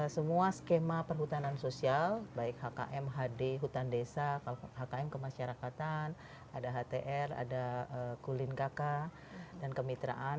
semua skema perhutanan sosial baik hkm hd hutan desa hkm kemasyarakatan ada htr ada kulin kk dan kemitraan